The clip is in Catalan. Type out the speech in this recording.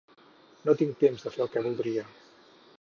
No tinc temps de fer el que voldria